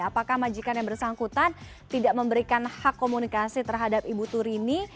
apakah majikan yang bersangkutan tidak memberikan hak komunikasi terhadap ibu turini